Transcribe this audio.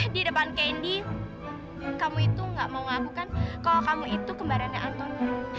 di depan kendi kamu itu gak mau ngabukan kalau kamu itu kembarannya anton